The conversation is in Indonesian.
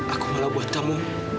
aku malah buat kamu